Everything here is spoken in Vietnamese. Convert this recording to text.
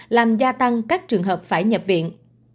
làm gia tăng các trường hợp phải nhập viện